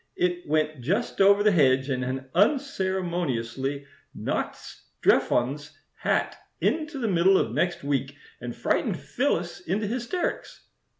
It went just over the hedge, and had unceremoniously knocked Strephon's hat into the middle of next week and frightened Phyllis into hysterics.